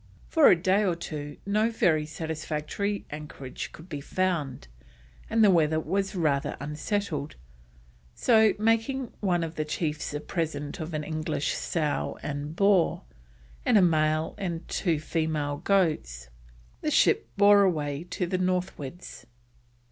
For a day or two no very satisfactory anchorage could be found, and the weather was rather unsettled, so, making one of the chiefs a present of an English sow and boar, and a male and two female goats, the ship bore away to the northwards.